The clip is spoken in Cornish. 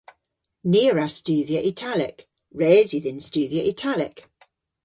Ni a wra studhya Italek. Res yw dhyn studhya Italek.